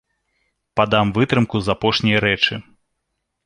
Падам вытрымку з апошняй рэчы.